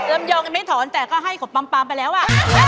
เริ่มยอมไม่ถอนแต่ก็ให้ของปัมปัมไปแล้วอ่ะ